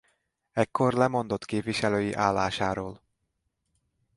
Ekkor lemondott képviselői állásáról.